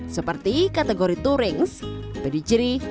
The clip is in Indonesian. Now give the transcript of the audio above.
seperti ini ini adalah kucing yang berusia dua puluh empat tahun